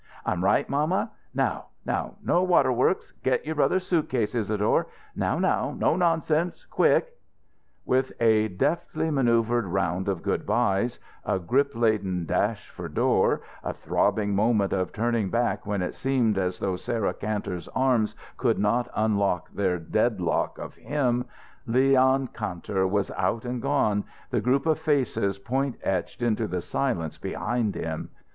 I'm right, mamma? Now now no water works! Get your brother's suitcase, Isadore. Now now no nonsense quick!" With a deftly manoeuvred round of good byes, a grip laden dash for door, a throbbing moment of turning back when it seemed as though Sarah Kantor's arms could not unlock their deadlock of him, Leon Kantor was out and gone, the group of faces point etched into the silence behind him.